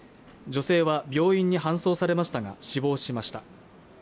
女性は病院に搬送されましたが死亡しました